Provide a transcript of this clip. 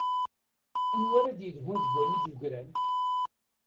Anwa ara d-yedhun deg wayen i d-yeggran?